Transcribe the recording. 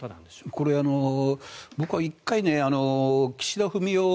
これは僕は１回岸田文雄